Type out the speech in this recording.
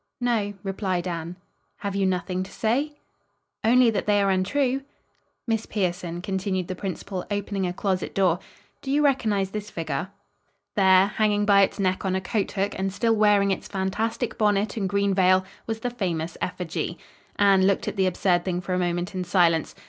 "No," replied Anne. "Have you nothing to say?" "Only that they are untrue." "Miss Pierson," continued the principal, opening a closet door, "do you recognize this figure." [Illustration: "Miss Pierson, Do You Recognize This Figure?"] There, hanging by its neck on a coat hook and still wearing its fantastic bonnet and green veil, was the famous effigy. Anne looked at the absurd thing for a moment in silence.